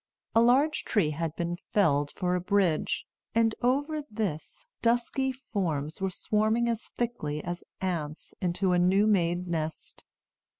A large tree had been felled for a bridge, and over this dusky forms were swarming as thickly as ants into a new made nest.